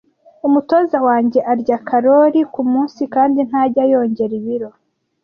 Umutoza wanjye arya karori kumunsi kandi ntajya yongera ibiro.